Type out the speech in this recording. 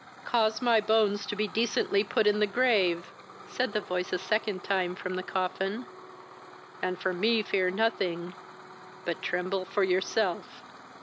"Cause my bones to be decently put in the grave! (said the voice a second time from the coffin,) and from me fear nothing, but tremble for yourself!"